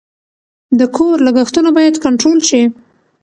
د کور لګښتونه باید کنټرول شي.